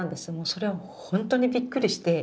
それは本当にびっくりして。